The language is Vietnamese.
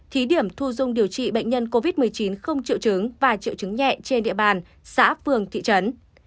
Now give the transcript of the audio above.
thí điểm thu dung điều trị bệnh nhân covid một mươi chín không triệu chứng và triệu chứng nhẹ trên địa bàn xã phường thị trấn